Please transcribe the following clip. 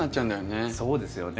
そうですよね。